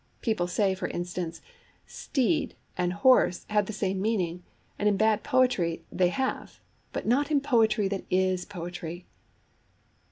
People say, for instance, 'steed' and 'horse' have the same meaning; and in bad poetry they have, but not in poetry that is poetry.